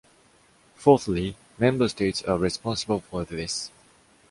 Fourthly, member states are responsible for this.